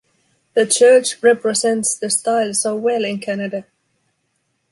The church represents the style so well in Canada.